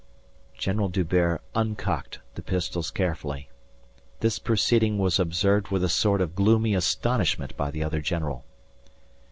General D'Hubert uncocked the pistols carefully. This proceeding was observed with a sort of gloomy astonishment by the other general.